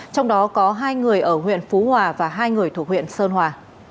trong đó có hai người ở huyện phú hòa và hai người thuộc huyện sơn hòa